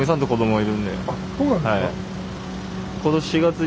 はい。